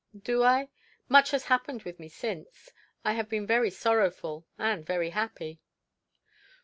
"Do I? Much has happened with me since. I have been very sorrowful and very happy."